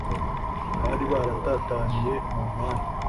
bari baratataniye mu mpande